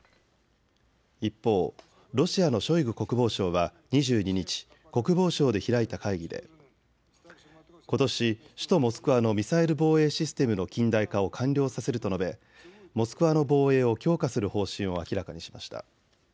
一方、ロシアのショイグ国防相は２２日、国防省で開いた会議でことし首都モスクワのミサイル防衛システムの近代化を完了させると述べモスクワの防衛を強化する方針を明らかにしました。